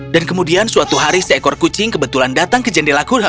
dan kemudian suatu hari seekor kucing kebetulan datang ke jendelaku